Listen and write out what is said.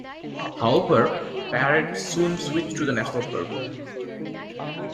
However, Perrett soon switched to the National Party.